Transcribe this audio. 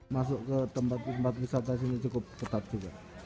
masuk ke tempat wisata ini cukup ketat juga